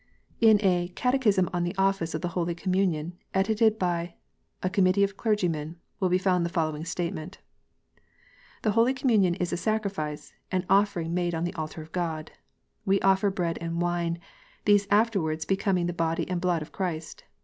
In a " Catechism on the Office of the Holy Communion, edited by a Com mittee of Clergymen," will be found the following statement :" The Holy Communion is a sacrifice, an offering made on an altar to God." " We offer bread and wine ; these afterwards become the body and blood of Christ."